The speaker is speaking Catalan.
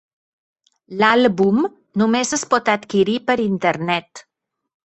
L'àlbum només es pot adquirir per Internet.